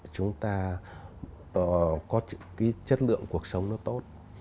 chúng ta có chất lượng cuộc sống nó tốt